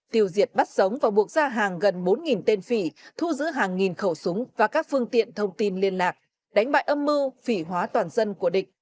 tiêu diệt bắt sống và buộc ra hàng gần bốn tên phỉ thu giữ hàng nghìn khẩu súng và các phương tiện thông tin liên lạc đánh bại âm mưu phỉ hóa toàn dân của địch